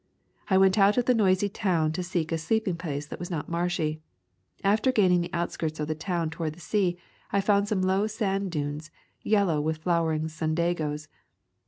I went out of the noisy town to seek a sleeping place that was not marshy. After gaining the outskirts of the town toward the sea, I found some low sand dunes, yellow with flowering soli dagoes.